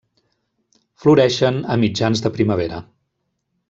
Floreixen a mitjans de primavera.